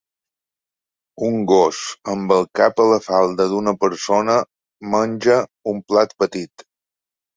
Un gos amb el cap a la falda d'una persona menja d'un plat petit.